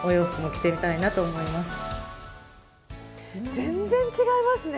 全然、違いますね。